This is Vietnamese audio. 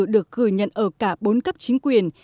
được gửi nhận ở cả bốn cấp chính quyền